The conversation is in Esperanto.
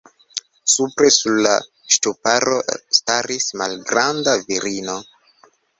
Supre sur la ŝtuparo staris malgranda virino.